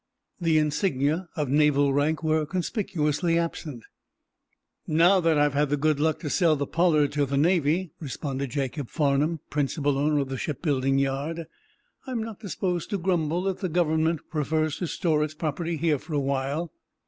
The insignia of naval rank were conspicuously absent. "Now, that I've had the good luck to sell the 'Pollard' to the Navy," responded Jacob Farnum, principal owner of the shipbuilding yard, "I'm not disposed to grumble if the Government prefers to store its property here for a while."